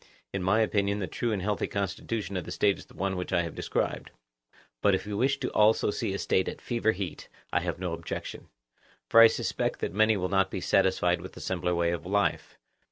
In my opinion the true and healthy constitution of the State is the one which I have described. But if you wish also to see a State at fever heat, I have no objection. For I suspect that many will not be satisfied with the simpler way of life.